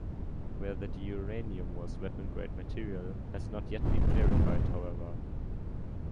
Whether the uranium was weapons-grade material has not yet been clarified, however.